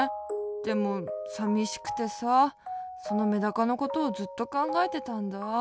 でもさみしくてさそのメダカのことをずっとかんがえてたんだ。